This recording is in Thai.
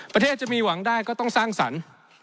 ประเทศจะมีหวังได้ก็ต้องสร้างสรรค์